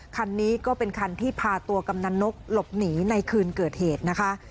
คันนี้ก็เป็นคันที่พาตัวกำนันนกหลบหนีในคืนเกิดเหตุนะคะ